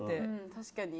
確かに。